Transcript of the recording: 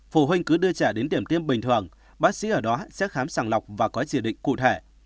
phụ huynh cứ đưa trẻ đến điểm tiêm bình thường bác sĩ ở đó sẽ khám sàng lọc và có chỉ định cụ thể